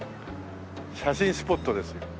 写真スポットですよ。